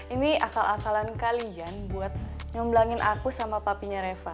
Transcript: ini akal akalan kalian buat nyoblangin aku sama papinya reva